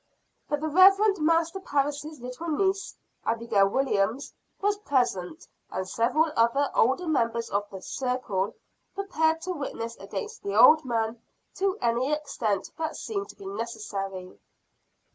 But the Rev. Master Parris's little niece, Abigail Williams, was present, and several other older members of the "circle," prepared to witness against the old man to any extent that seemed to be necessary.